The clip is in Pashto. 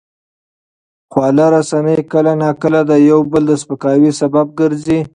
خواله رسنۍ کله ناکله د یو بل د سپکاوي سبب ګرځي.